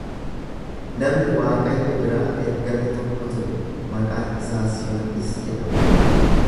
Namni Waaqayyo biraa ergame tokko ture, maqaan isaas Yohannis jedhama.